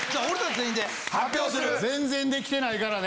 全然できてないからね！